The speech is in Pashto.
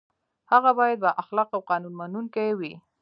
هغه باید با اخلاقه او قانون منونکی وي.